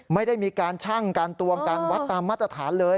ไม่ได้มีการชั่งการตวงการวัดตามมาตรฐานเลย